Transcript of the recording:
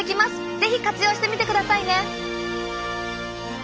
是非活用してみてくださいね！